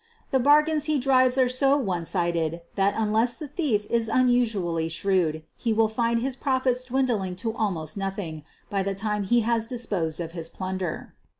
The bargains he drives are so one sided that unless the thief is unusually shrewd he will find his profits dwindling to almost nothing by the time he has disposed of his plunder.